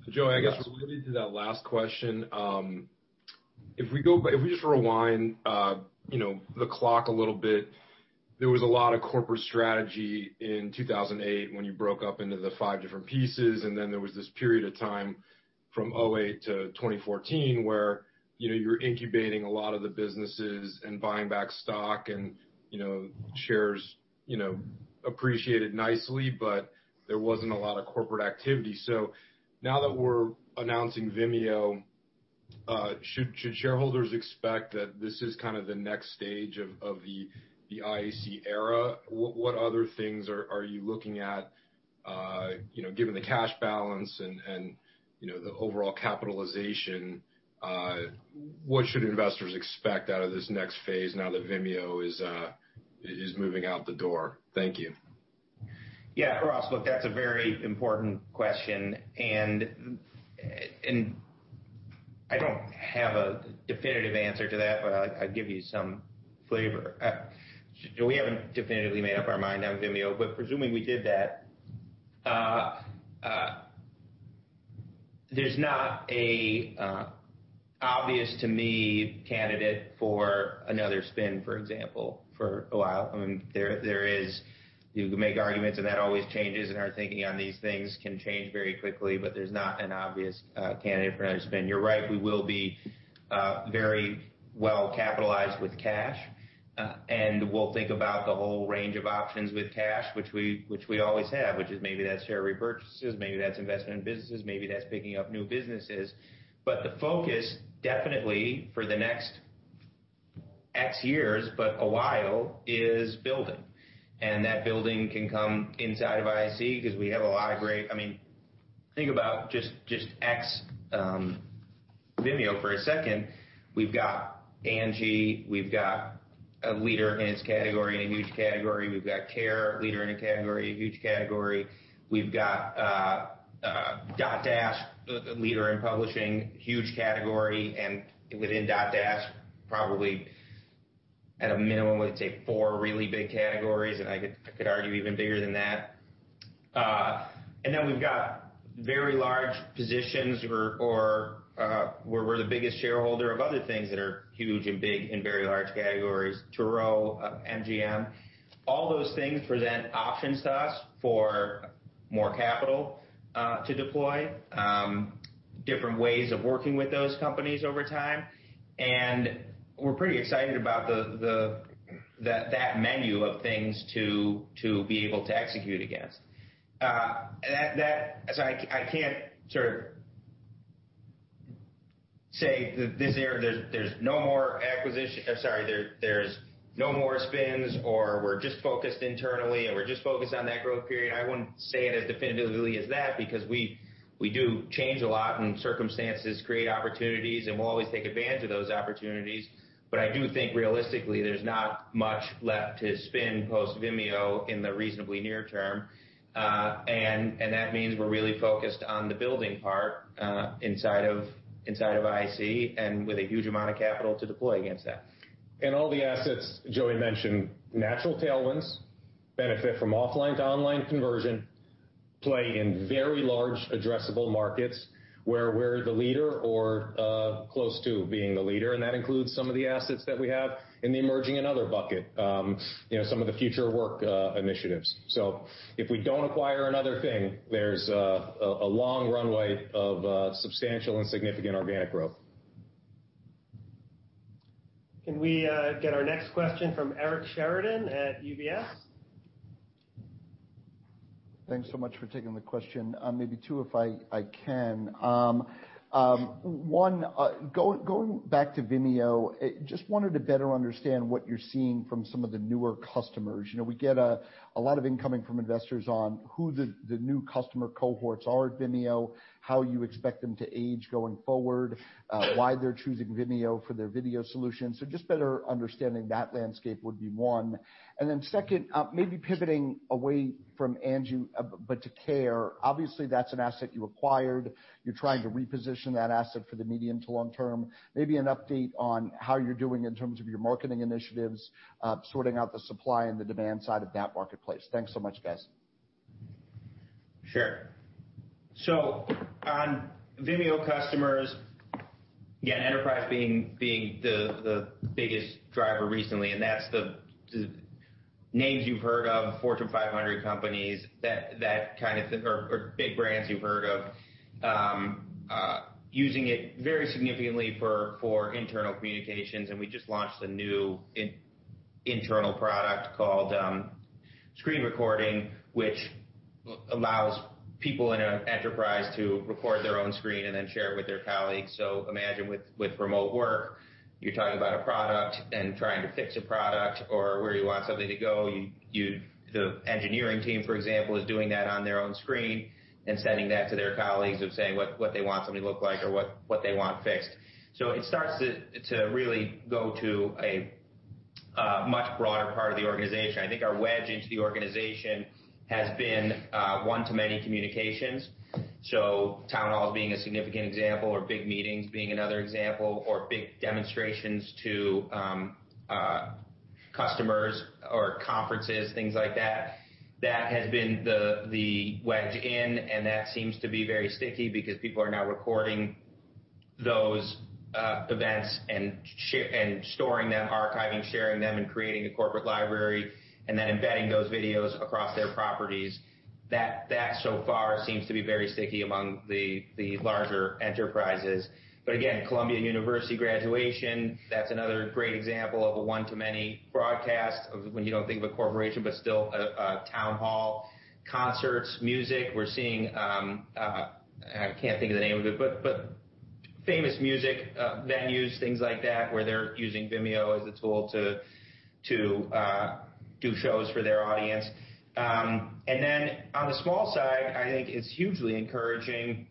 Joey, I guess related to that last question, if we just rewind the clock a little bit, there was a lot of corporate strategy in 2008 when you broke up into the five different pieces, and then there was this period of time from 2008-2014 where you were incubating a lot of the businesses and buying back stock and shares appreciated nicely, but there wasn't a lot of corporate activity. Now that we're announcing Vimeo, should shareholders expect that this is the next stage of the IAC era? What other things are you looking at? Given the cash balance and the overall capitalization, what should investors expect out of this next phase now that Vimeo is moving out the door? Thank you. Yeah, Ross, look, that's a very important question. I don't have a definitive answer to that, but I'll give you some flavor. We haven't definitively made up our mind on Vimeo, but presuming we did that. There's not a obvious to me candidate for another spin, for example, for a while. You can make arguments, and that always changes, and our thinking on these things can change very quickly, but there's not an obvious candidate for another spin. You're right, we will be very well capitalized with cash. We'll think about the whole range of options with cash, which we always have, which is maybe that's share repurchases, maybe that's investment in businesses, maybe that's picking up new businesses. The focus definitely for the next X years, but a while, is building. That building can come inside of IAC because we have a lot of great. Think about just ex-Vimeo for a second. We've got Angi, we've got a leader in its category and a huge category. We've got Care, leader in a category, a huge category. We've got Dotdash, leader in publishing, huge category, and within Dotdash, probably at a minimum, let's say four really big categories, and I could argue even bigger than that. Then we've got very large positions or where we're the biggest shareholder of other things that are huge and big in very large categories, Turo, MGM. All those things present options to us for more capital to deploy, different ways of working with those companies over time, and we're pretty excited about that menu of things to be able to execute against. I can't sort of say that this year there's no more spins, or we're just focused internally, or we're just focused on that growth period. I wouldn't say it as definitively as that because we do change a lot, and circumstances create opportunities, and we'll always take advantage of those opportunities. I do think realistically, there's not much left to spin post-Vimeo in the reasonably near term. That means we're really focused on the building part inside of IAC and with a huge amount of capital to deploy against that. All the assets Joey mentioned, natural tailwinds, benefit from offline to online conversion, play in very large addressable markets where we're the leader or close to being the leader, and that includes some of the assets that we have in the emerging and other bucket, some of the future work initiatives. If we don't acquire another thing, there's a long runway of substantial and significant organic growth. Can we get our next question from Eric Sheridan at UBS? Thanks so much for taking the question. Maybe two, if I can. One, going back to Vimeo, just wanted to better understand what you're seeing from some of the newer customers. We get a lot of incoming from investors on who the new customer cohorts are at Vimeo, how you expect them to age going forward, why they're choosing Vimeo for their video solutions. Just better understanding that landscape would be one. Then second, maybe pivoting away from Angi, but to Care. Obviously, that's an asset you acquired. You're trying to reposition that asset for the medium to long term. Maybe an update on how you're doing in terms of your marketing initiatives, sorting out the supply and the demand side of that marketplace. Thanks so much, guys. Sure. On Vimeo customers, again, Enterprise being the biggest driver recently, and that's the names you've heard of, Fortune 500 companies, that kind of thing, or big brands you've heard of, using it very significantly for internal communications, and we just launched a new internal product called Screen Recording, which allows people in an Enterprise to record their own screen and then share it with their colleagues. Imagine with remote work, you're talking about a product and trying to fix a product or where you want something to go. The engineering team, for example, is doing that on their own screen and sending that to their colleagues of saying what they want something to look like or what they want fixed. It starts to really go to a much broader part of the organization. I think our wedge into the organization has been one-to-many communications. Town halls being a significant example or big meetings being another example, or big demonstrations to customers or conferences, things like that. That has been the wedge in, and that seems to be very sticky because people are now recording those events and storing them, archiving, sharing them, and creating a corporate library, and then embedding those videos across their properties. That so far seems to be very sticky among the larger enterprises. Again, Columbia University graduation, that's another great example of a one-to-many broadcast of when you don't think of a corporation, but still a town hall. Concerts, music, we're seeing, I can't think of the name of it, but famous music venues, things like that, where they're using Vimeo as a tool to do shows for their audience. On the small side, I think it's hugely encouraging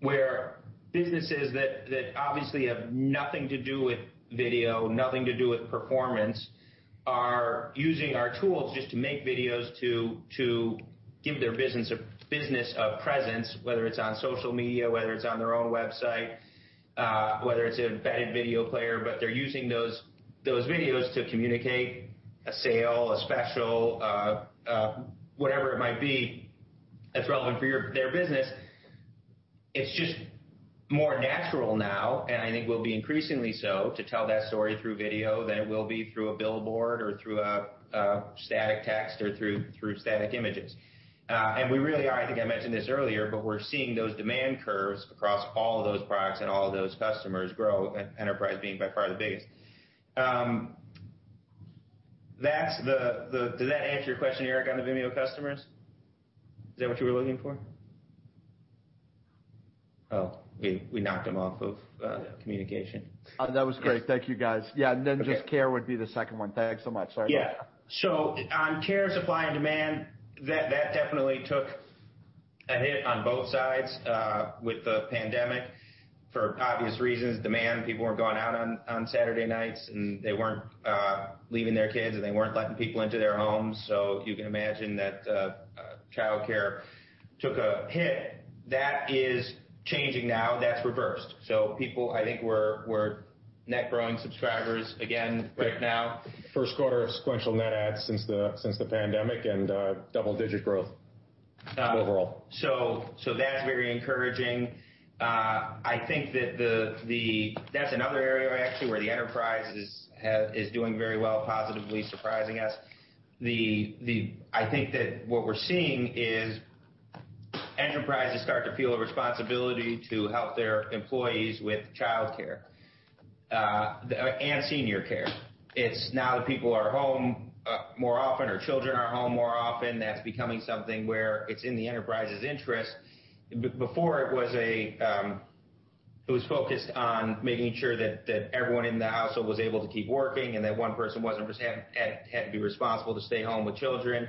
where businesses that obviously have nothing to do with video, nothing to do with performance, are using our tools just to make videos to give their business a presence, whether it's on social media, whether it's on their own website, whether it's an embedded video player, but they're using those videos to communicate a sale, a special, whatever it might be that's relevant for their business. It's just more natural now, and I think will be increasingly so, to tell that story through video than it will be through a billboard or through a static text or through static images. We really are, I think I mentioned this earlier, but we're seeing those demand curves across all of those products and all of those customers grow, Enterprise being by far the biggest. Did that answer your question, Eric, on the Vimeo customers? Is that what you were looking for? Oh, we knocked him off of communication. That was great. Thank you guys. Yeah, then just Care would be the second one. Thanks so much. Sorry about that. On Care supply and demand, that definitely took a hit on both sides with the pandemic. For obvious reasons, demand, people weren't going out on Saturday nights, and they weren't leaving their kids, and they weren't letting people into their homes. You can imagine that childcare took a hit. That is changing now. That's reversed. People, I think we're net growing subscribers again right now. First quarter of sequential net add since the pandemic and double-digit growth overall. That's very encouraging. I think that's another area, actually, where the Enterprise is doing very well, positively surprising us. I think that what we're seeing is enterprises start to feel a responsibility to help their employees with childcare and senior care. It's now that people are home more often or children are home more often, that's becoming something where it's in the enterprise's interest. Before, it was focused on making sure that everyone in the household was able to keep working, and that one person wasn't just having to be responsible to stay home with children.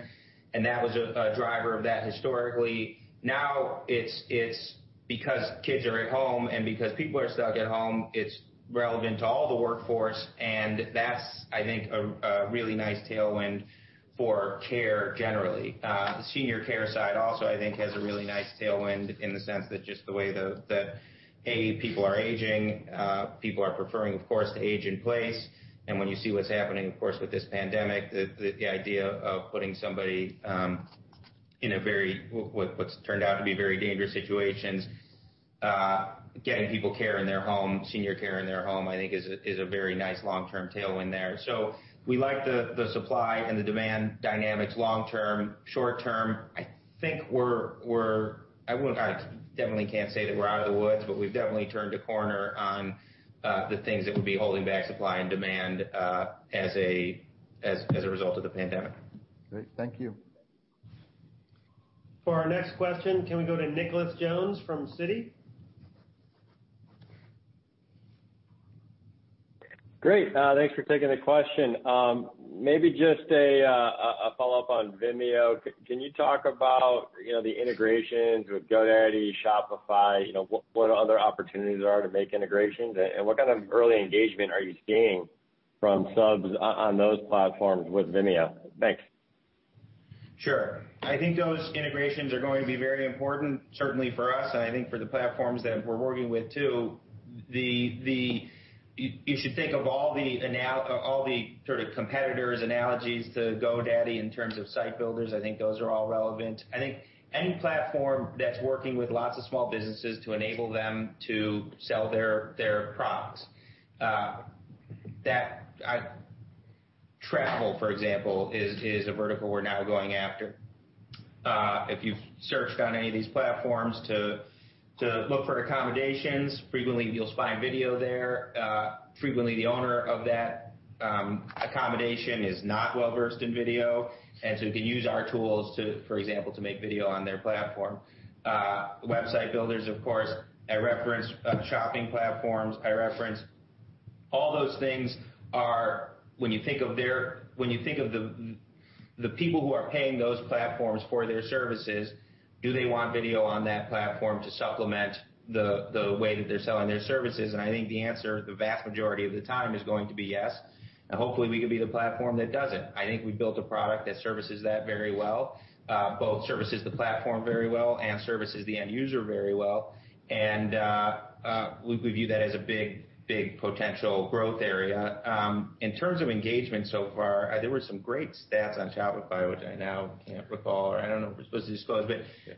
That was a driver of that historically. Now it's because kids are at home and because people are stuck at home, it's relevant to all the workforce, and that's, I think, a really nice tailwind for Care generally. The senior care side also, I think, has a really nice tailwind in the sense that just the way that, A, people are aging, people are preferring, of course, to age in place. When you see what's happening, of course, with this pandemic, the idea of putting somebody in a very, what's turned out to be very dangerous situations. Getting people care in their home, senior care in their home, I think, is a very nice long-term tailwind there. We like the supply and the demand dynamics long-term. Short-term, I think I definitely can't say that we're out of the woods, but we've definitely turned a corner on the things that would be holding back supply and demand as a result of the pandemic. Great. Thank you. For our next question, can we go to Nicholas Jones from Citi? Great. Thanks for taking the question. Maybe just a follow-up on Vimeo. Can you talk about the integrations with GoDaddy, Shopify what other opportunities there are to make integrations? What kind of early engagement are you seeing from subs on those platforms with Vimeo? Thanks. Sure. I think those integrations are going to be very important, certainly for us, and I think for the platforms that we're working with too. If you think of all the sort of competitors, analogies to GoDaddy in terms of site builders, I think those are all relevant. I think any platform that's working with lots of small businesses to enable them to sell their products. Travel, for example, is a vertical we're now going after. If you've searched on any of these platforms to look for accommodations, frequently you'll find video there. Frequently the owner of that accommodation is not well-versed in video, and so we can use our tools, for example, to make video on their platform. Website builders, of course. I reference shopping platforms. I reference all those things are when you think of the people who are paying those platforms for their services, do they want video on that platform to supplement the way that they're selling their services? I think the answer, the vast majority of the time, is going to be yes. Hopefully we can be the platform that does it. I think we built a product that services that very well, both services the platform very well and services the end user very well. We view that as a big potential growth area. In terms of engagement so far, there were some great stats on Shopify, which I now can't recall, or I don't know if we're supposed to disclose,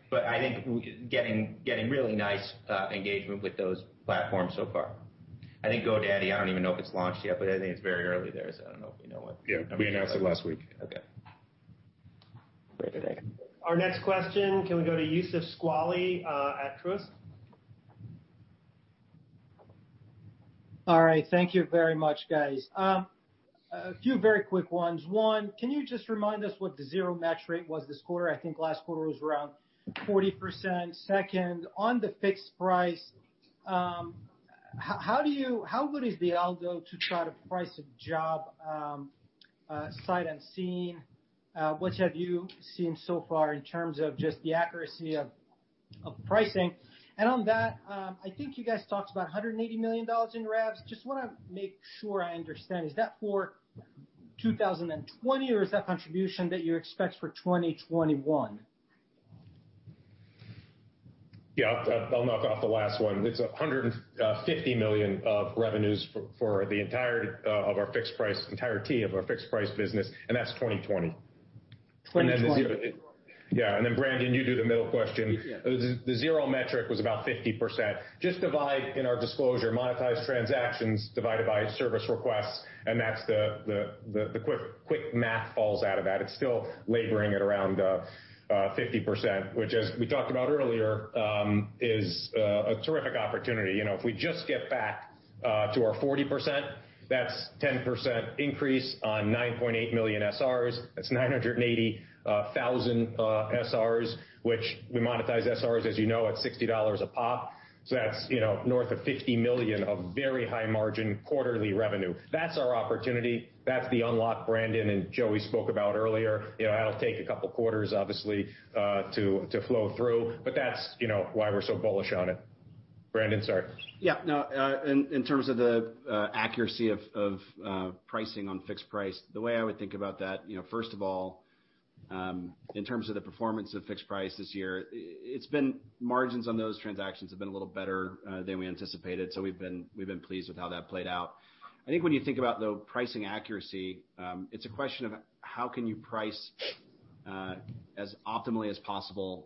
but I think getting really nice engagement with those platforms so far. I think GoDaddy, I don't even know if it's launched yet, but I think it's very early there, so I don't know if we know what. Yeah. We announced it last week. Okay. Great. Thank you. Our next question, can we go to Youssef Squali at Truist? All right. Thank you very much, guys. A few very quick ones. One, can you just remind us what the zero match rate was this quarter? I think last quarter was around 40%. Second, on the Fixed Price, how good is the algo to try to price a job sight unseen? What have you seen so far in terms of just the accuracy of pricing? On that, I think you guys talked about $180 million in revs. Just want to make sure I understand. Is that for 2020, or is that contribution that you expect for 2021? Yeah. I'll knock off the last one. It's $150 million of revenues for the entire TAM of our Fixed Price business, that's 2020. 2020. Yeah. Then Brandon, you do the middle question. Yeah. The zero match rate was about 50%. Just divide in our disclosure, monetized transactions divided by Service Requests, and the quick math falls out of that. It's still laboring at around 50%, which, as we talked about earlier, is a terrific opportunity. If we just get back to our 40%, that's 10% increase on 9.8 million SRs. That's 980,000 SRs, which we monetize SRs, as you know, at $60 a pop. That's north of $50 million of very high margin quarterly revenue. That's our opportunity. That's the unlock Brandon and Joey spoke about earlier. That'll take a couple of quarters, obviously, to flow through, but that's why we're so bullish on it. Brandon, sorry. Yeah, no. In terms of the accuracy of pricing on Fixed Price, the way I would think about that, first of all, in terms of the performance of Fixed Price this year, margins on those transactions have been a little better than we anticipated. We've been pleased with how that played out. I think when you think about, though, pricing accuracy, it's a question of how can you price as optimally as possible,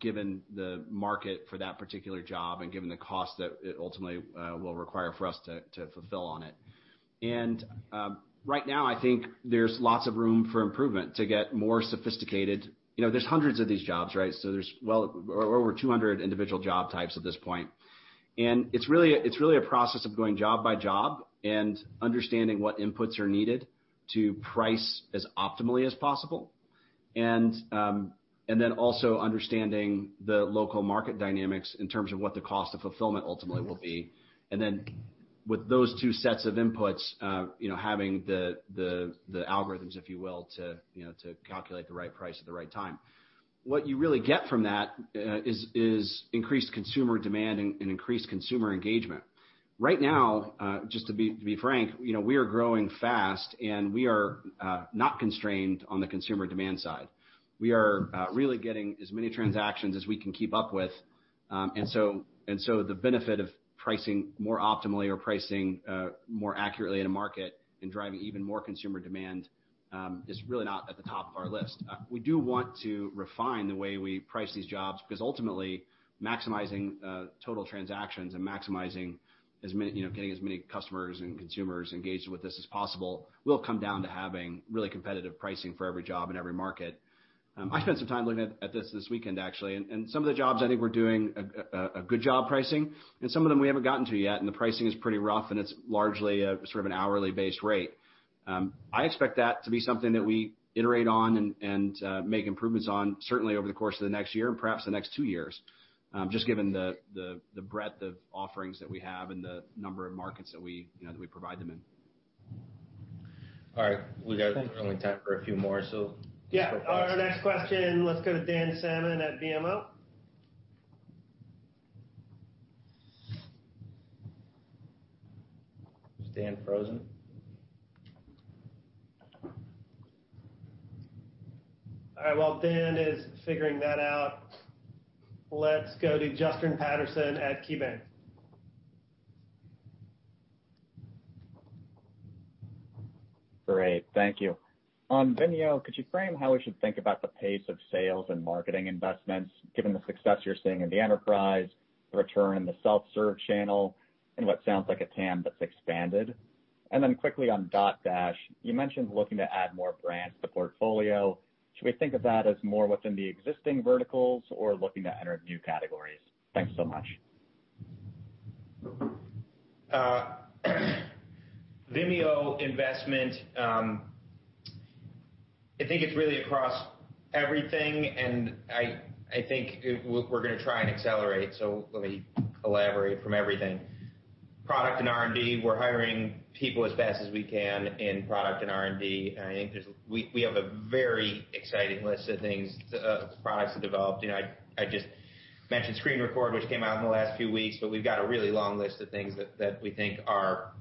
given the market for that particular job and given the cost that it ultimately will require for us to fulfill on it. Right now, I think there's lots of room for improvement to get more sophisticated. There's hundreds of these jobs. There's well over 200 individual job types at this point, and it's really a process of going job by job and understanding what inputs are needed to price as optimally as possible, and then also understanding the local market dynamics in terms of what the cost of fulfillment ultimately will be. Then with those two sets of inputs, having the algorithms, if you will, to calculate the right price at the right time. What you really get from that is increased consumer demand and increased consumer engagement. Right now, just to be frank, we are growing fast, and we are not constrained on the consumer demand side. We are really getting as many transactions as we can keep up with. The benefit of pricing more optimally or pricing more accurately in a market and driving even more consumer demand is really not at the top of our list. We do want to refine the way we price these jobs, because ultimately, maximizing total transactions and maximizing getting as many customers and consumers engaged with this as possible will come down to having really competitive pricing for every job in every market. I spent some time looking at this this weekend, actually, and some of the jobs, I think we're doing a good job pricing. Some of them we haven't gotten to yet, and the pricing is pretty rough, and it's largely a sort of an hourly-based rate. I expect that to be something that we iterate on and make improvements on, certainly over the course of the next year and perhaps the next two years, just given the breadth of offerings that we have and the number of markets that we provide them in. All right. We got only time for a few more. Yeah. Our next question, let's go to Dan Salmon at BMO. Is Dan frozen? All right. While Dan is figuring that out, let's go to Justin Patterson at KeyBanc. Great. Thank you. On Vimeo, could you frame how we should think about the pace of sales and marketing investments, given the success you're seeing in the Enterprise, the return in the self-serve channel, and what sounds like a TAM that's expanded? Quickly on Dotdash, you mentioned looking to add more brands to the portfolio. Should we think of that as more within the existing verticals or looking to enter new categories? Thanks so much. Vimeo investment, I think it's really across everything, and I think we're going to try and accelerate. Let me elaborate from everything. Product and R&D, we're hiring people as fast as we can in product and R&D. I think we have a very exciting list of products to develop. I just mentioned Screen Record, which came out in the last few weeks, but we've got a really long list of things that we think are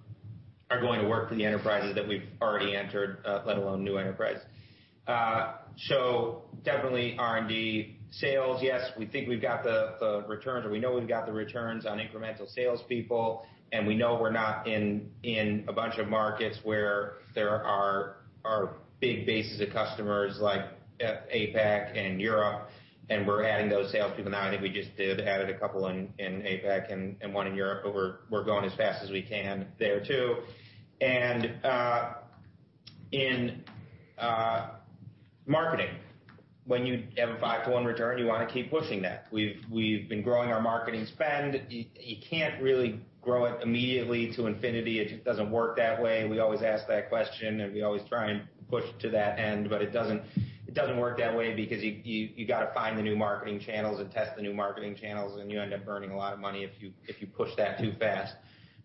going to work for the enterprises that we've already entered, let alone new enterprise. Definitely R&D. Sales, yes, we think we've got the returns, or we know we've got the returns on incremental salespeople, and we know we're not in a bunch of markets where there are big bases of customers like APAC and Europe, and we're adding those salespeople now. I think we just did, added a couple in APAC and one in Europe. We're going as fast as we can there, too. In marketing, when you have a five-to-one return, you want to keep pushing that. We've been growing our marketing spend. You can't really grow it immediately to infinity. It just doesn't work that way. We always ask that question, and we always try and push to that end, but it doesn't work that way because you got to find the new marketing channels and test the new marketing channels, and you end up burning a lot of money if you push that too fast.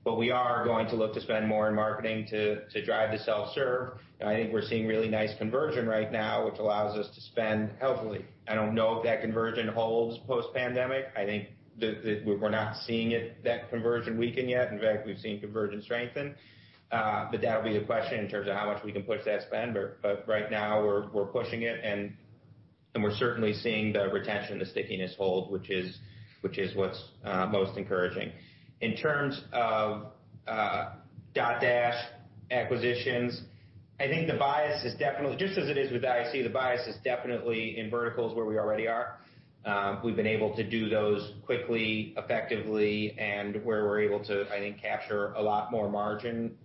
We are going to look to spend more in marketing to drive the self-serve. I think we're seeing really nice conversion right now, which allows us to spend healthily. I don't know if that conversion holds post-pandemic. I think that we're not seeing that conversion weaken yet. In fact, we've seen conversion strengthen. That'll be the question in terms of how much we can push that spend. Right now we're pushing it and. We're certainly seeing the retention, the stickiness hold, which is what's most encouraging. In terms of Dotdash acquisitions, I think the bias is definitely, just as it is with IAC, the bias is definitely in verticals where we already are. We've been able to do those quickly, effectively, and where we're able to, I think, capture a lot more margin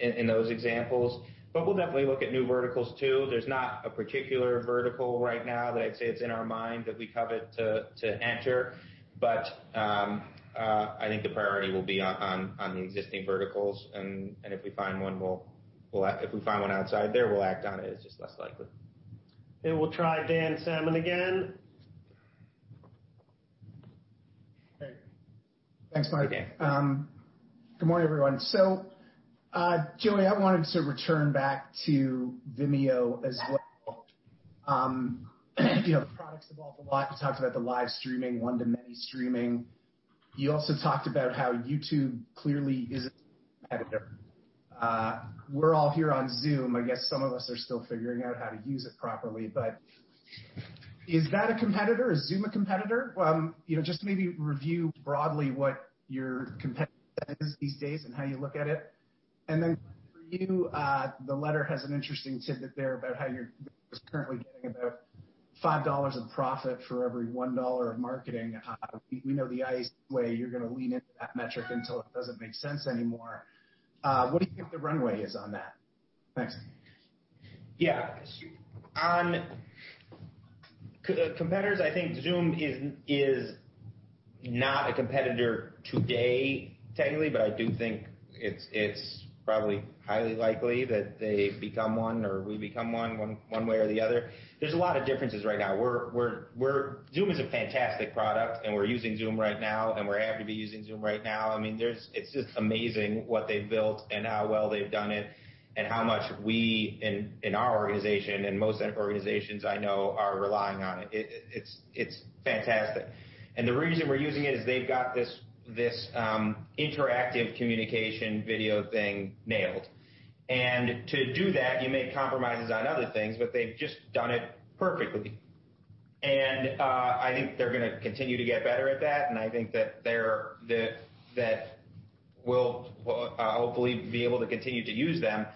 in those examples. We'll definitely look at new verticals, too. There's not a particular vertical right now that I'd say it's in our mind that we covet to enter. I think the priority will be on the existing verticals, and if we find one outside there, we'll act on it. It's just less likely. Okay, we'll try Dan Salmon again. Hey. Thanks, Mark. Hey, Dan. Good morning, everyone. Joey, I wanted to return back to Vimeo as well. Products evolved a lot. You talked about the live streaming, one-to-many streaming. You also talked about how YouTube clearly is a competitor. We're all here on Zoom. I guess some of us are still figuring out how to use it properly, but is that a competitor? Is Zoom a competitor? Just maybe review broadly what your competitor set is these days and how you look at it. For you, the letter has an interesting tidbit there about how your company is currently getting about $5 of profit for every $1 of marketing. We know the IAC way, you're going to lean into that metric until it doesn't make sense anymore. What do you think the runway is on that? Thanks. Yeah. On competitors, I think Zoom is not a competitor today, technically, but I do think it's probably highly likely that they become one or we become one way or the other. There's a lot of differences right now. Zoom is a fantastic product, and we're using Zoom right now, and we're happy to be using Zoom right now. It's just amazing what they've built and how well they've done it and how much we in our organization and most organizations I know are relying on it. It's fantastic. The reason we're using it is they've got this interactive communication video thing nailed. To do that, you make compromises on other things, but they've just done it perfectly. I think they're going to continue to get better at that, and I think that we'll hopefully be able to continue to use them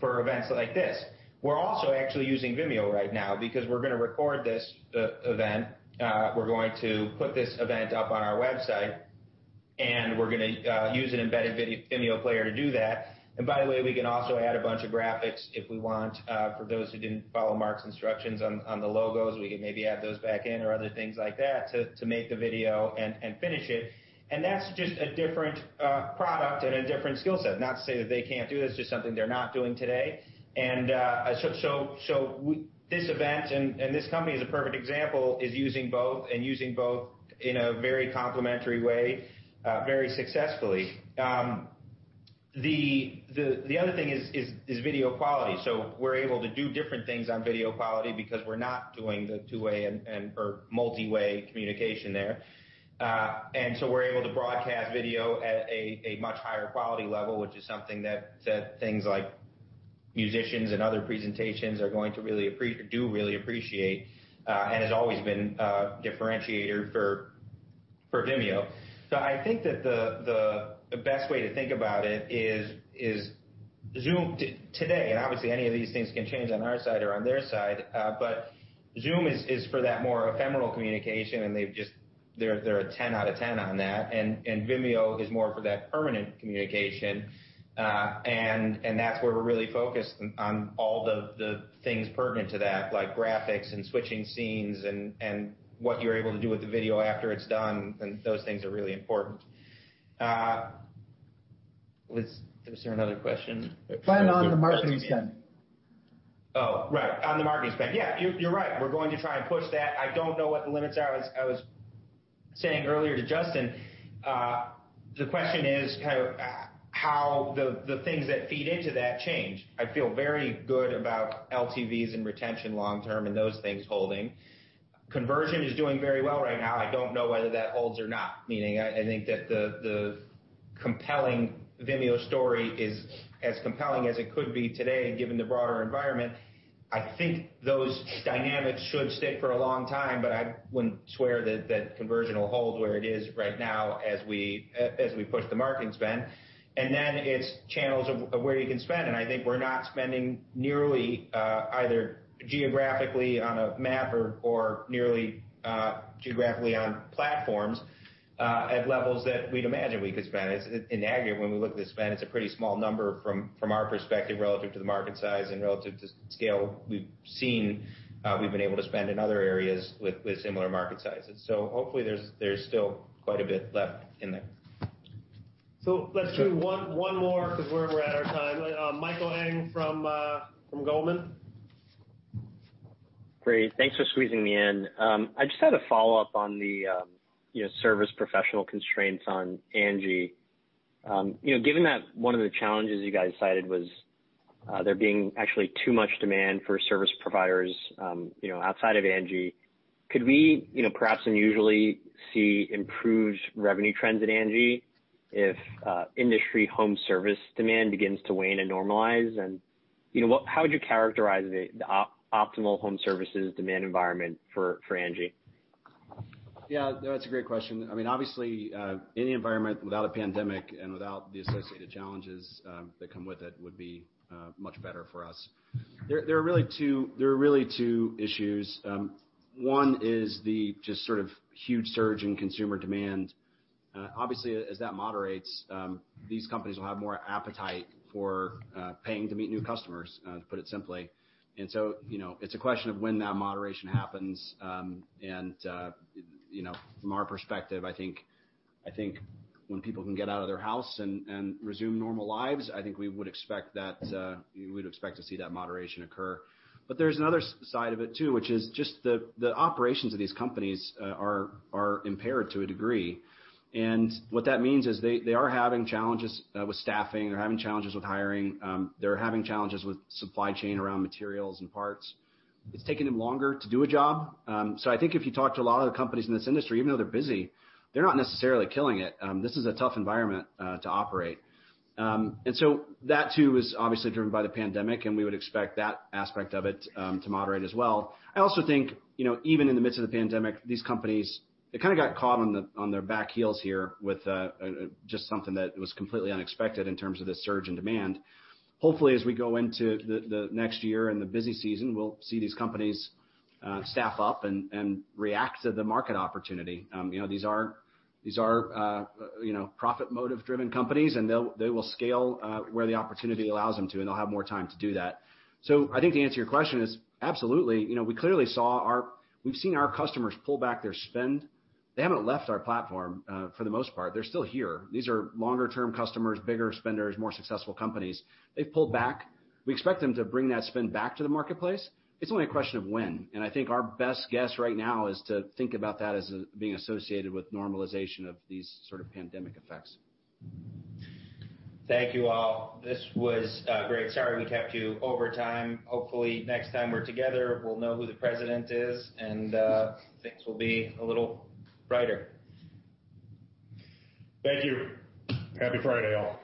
for events like this. We're also actually using Vimeo right now because we're going to record this event. We're going to put this event up on our website, and we're going to use an embedded Vimeo player to do that. By the way, we can also add a bunch of graphics if we want. For those who didn't follow Mark's instructions on the logos, we could maybe add those back in or other things like that to make the video and finish it. That's just a different product and a different skill set. Not to say that they can't do this, just something they're not doing today. This event and this company is a perfect example, is using both, and using both in a very complementary way very successfully. The other thing is video quality. We're able to do different things on video quality because we're not doing the two-way or multi-way communication there. We're able to broadcast video at a much higher quality level, which is something that things like musicians and other presentations are going to really appreciate or do really appreciate and has always been a differentiator for Vimeo. I think that the best way to think about it is Zoom today, and obviously any of these things can change on our side or on their side, but Zoom is for that more ephemeral communication, and they're a 10 out of 10 on that. Vimeo is more for that permanent communication. That's where we're really focused on all the things pertinent to that, like graphics and switching scenes and what you're able to do with the video after it's done. Those things are really important. Was there another question? Plan on the marketing spend. Oh, right. On the marketing spend. Yeah, you're right. We're going to try and push that. I don't know what the limits are. As I was saying earlier to Justin, the question is how the things that feed into that change. I feel very good about LTVs and retention long term and those things holding. Conversion is doing very well right now. I don't know whether that holds or not, meaning I think that the compelling Vimeo story is as compelling as it could be today, given the broader environment. I think those dynamics should stay for a long time, but I wouldn't swear that conversion will hold where it is right now as we push the marketing spend. It's channels of where you can spend, I think we're not spending nearly, either geographically on a map or nearly geographically on platforms, at levels that we'd imagine we could spend. In aggregate, when we look at the spend, it's a pretty small number from our perspective, relative to the market size and relative to scale we've seen we've been able to spend in other areas with similar market sizes. Hopefully there's still quite a bit left in there. Let's do one more because we're at our time. Michael Ng from Goldman. Great. Thanks for squeezing me in. I just had a follow-up on the service professional constraints on Angi. Given that one of the challenges you guys cited was there being actually too much demand for service providers outside of Angi. Could we perhaps unusually see improved revenue trends at Angi if industry home service demand begins to wane and normalize? How would you characterize the optimal home services demand environment for Angi? Yeah. No, that's a great question. Obviously, any environment without a pandemic and without the associated challenges that come with it would be much better for us. There are really two issues. One is the just sort of huge surge in consumer demand. Obviously, as that moderates, these companies will have more appetite for paying to meet new customers, to put it simply. It's a question of when that moderation happens. From our perspective, I think when people can get out of their house and resume normal lives, I think we would expect to see that moderation occur. There's another side of it too, which is just the operations of these companies are impaired to a degree. What that means is they are having challenges with staffing. They're having challenges with hiring. They're having challenges with supply chain around materials and parts. It's taking them longer to do a job. I think if you talk to a lot of the companies in this industry, even though they're busy, they're not necessarily killing it. This is a tough environment to operate. That too is obviously driven by the pandemic, and we would expect that aspect of it to moderate as well. I also think, even in the midst of the pandemic, these companies, they kind of got caught on their back heels here with just something that was completely unexpected in terms of the surge in demand. Hopefully, as we go into the next year and the busy season, we'll see these companies staff up and react to the market opportunity. These are profit-motive-driven companies, and they will scale where the opportunity allows them to, and they'll have more time to do that. I think the answer to your question is absolutely. We've seen our customers pull back their spend. They haven't left our platform, for the most part. They're still here. These are longer-term customers, bigger spenders, more successful companies. They've pulled back. We expect them to bring that spend back to the marketplace. It's only a question of when. I think our best guess right now is to think about that as being associated with normalization of these sort of pandemic effects. Thank you all. This was great. Sorry we kept you overtime. Hopefully, next time we're together, we'll know who the president is, and things will be a little brighter. Thank you. Happy Friday, all.